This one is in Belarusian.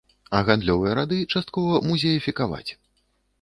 А гандлёвыя рады часткова музеефікаваць.